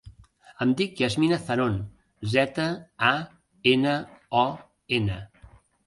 Em dic Yasmina Zanon: zeta, a, ena, o, ena.